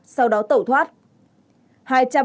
sau đó tập trung vào khu vực để trộm tài sản